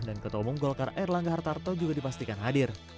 dan ketua umum golkar erlangga hartarto juga dipastikan hadir